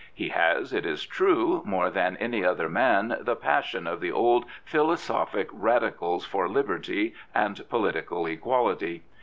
He has, it is true, more than any other man the passion of the old philosophic Radicals for liberty and political equality.